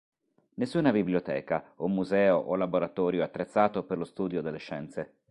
Nessuna biblioteca, o museo o laboratorio attrezzato per lo studio delle scienze.